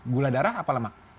gula darah apa lemak